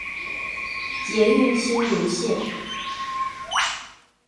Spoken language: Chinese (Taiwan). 捷運新蘆線